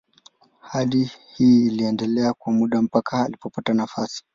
Hali hii iliendelea kwa muda mpaka alipopata nafasi.